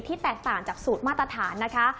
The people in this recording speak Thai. แตกต่างจากสูตรมาตรฐานนะคะ